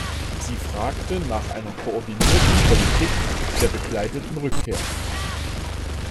Sie fragte nach einer koordinierten Politik der begleiteten Rückkehr.